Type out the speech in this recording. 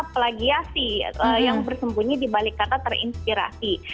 pelagiasi yang bersembunyi dibalik kata terinspirasi